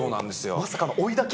まさかの追いだき？